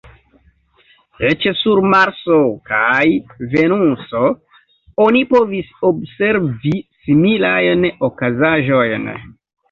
Eĉ sur Marso kaj Venuso oni povis observi similajn okazaĵojn.